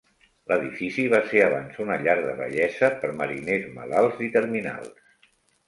L'edifici va ser abans una llar de vellesa per mariners malats i terminals.